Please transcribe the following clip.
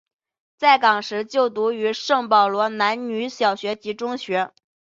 在港时就读于圣保罗男女小学及中学。